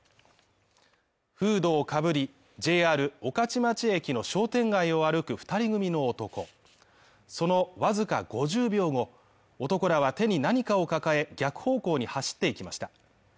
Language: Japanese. フードをかぶり、ＪＲ御徒町駅の商店街を歩く２人組の男そのわずか５０秒後、男らは手に何かを抱え、逆方向に走っていきました。